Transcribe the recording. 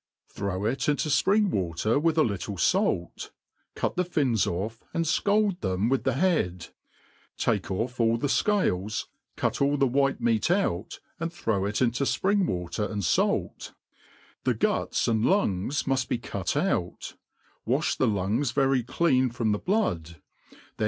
345 throw it into fpring«water with a little fait, cut the fias off, and fcald them with the h^ad ; take off all the fcales, cu^ ^11 the white meat out, and throw it into fpring water and fait ; the guts and lungs muft he cut out ; wafh the lungs very clean from the blood ; then.